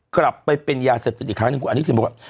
กลับไปเป็นยาเสพเจ็ดอีกครั้งอันนี้ถึงบอกว่า